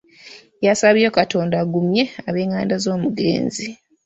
Yasabye Katonda agumye ab'enganda z'omugenzi.